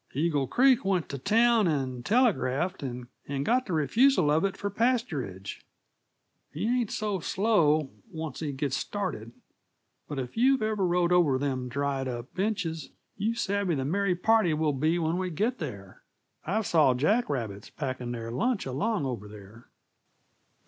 Eagle Creek went t' town and telegraphed, and got the refusal of it for pasturage; he ain't so slow, oncet he gets started. But if you've ever rode over them dried up benches, you savvy the merry party we'll be when we git there. I've saw jack rabbits packing their lunch along over there."